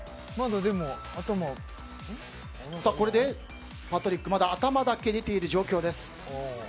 これでパトリックまだ頭だけ出ている状況です。